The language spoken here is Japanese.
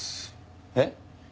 えっ？